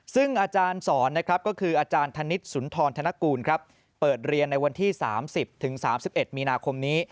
ซึ่งอาจารย์สอนก็คืออาจารย์ธนิสสุนทรธนกรเปิดเรียนที่๓๐๓๑มีนาคมนี้